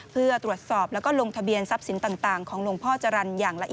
เพื่อตรวจสอบและลงทะเบียนทรัพย์สินต่างของหลวงพ่อจรัน